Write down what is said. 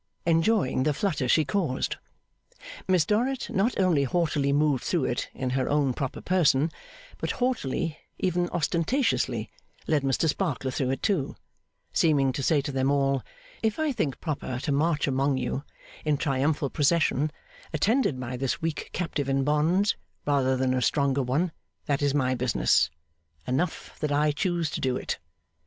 Enjoying the flutter she caused. Miss Dorrit not only haughtily moved through it in her own proper person, but haughtily, even Ostentatiously, led Mr Sparkler through it too: seeming to say to them all, 'If I think proper to march among you in triumphal procession attended by this weak captive in bonds, rather than a stronger one, that is my business. Enough that I choose to do it!